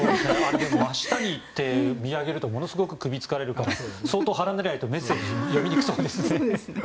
真下に行って見上げるとものすごく首が疲れるから相当離れないとメッセージは読みづらそうですね。